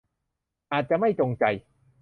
อาจจะไม่จงใจ